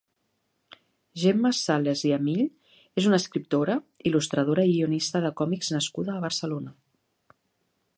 Gemma Sales i Amill és una escriptora, il·lustradora i guionista de còmics nascuda a Barcelona.